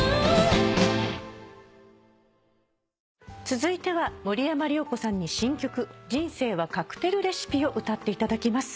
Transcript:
続いては森山良子さんに新曲『人生はカクテルレシピ』を歌っていただきます。